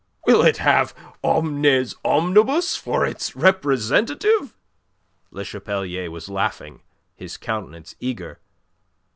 "Will it have Omnes Omnibus for its representative?" Le Chapelier was laughing, his countenance eager.